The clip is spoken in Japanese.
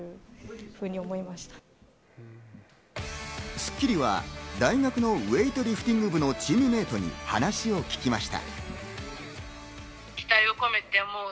『スッキリ』は大学のウエイトリフティング部のチームメートに話を聞きました。